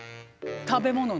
食べ物の？